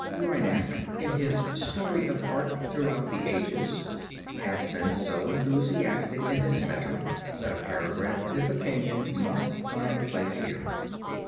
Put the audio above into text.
Reinach, in his Story of Art Throughout the Ages, [Footnote 10] has been so enthusiastic in this matter that a paragraph of his opinion must find a place here.